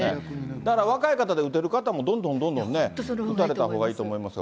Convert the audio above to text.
だから若い方で打てる方もどんどんどんどんね、打たれたほうがいいと思いますが。